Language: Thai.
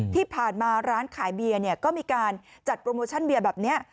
ที่ผ่านมาร้านขายเบียร์ก็มีการจัดโปรโมชั่นเบียร์แบบนี้